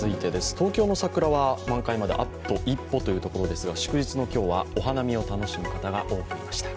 東京の桜は満開まであと一歩というところですが祝日の今日はお花見を楽しむ方が多くいました。